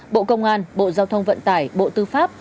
bộ công an bộ giao thông vận tải bộ tư pháp